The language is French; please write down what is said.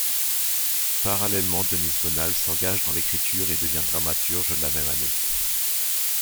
Parallèlement Denise Bonal s'engage dans l'écriture et devient dramaturge la même année.